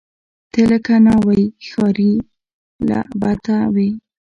ته لکه ناوۍ، ښاري لعبته وې